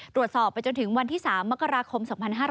ตรวจสอบไปจนถึงวันที่๓มกราคม๒๕๕๙